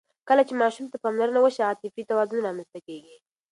کله چې ماشوم ته پاملرنه وشي، عاطفي توازن رامنځته کېږي.